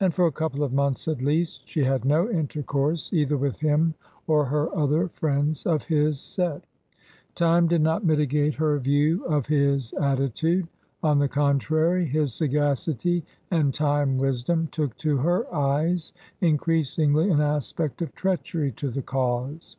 And for a couple of months at least she had no intercourse either with him or her other friends of his set Time did not mitigate her view of his attitude ; on the contrary, his sagacity and " Time Wisdom" took to her eyes increasingly an aspect of treachery to the cause.